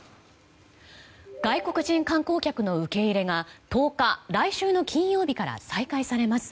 外国人観光客の受け入れが１０日、来週の金曜日から再開されます。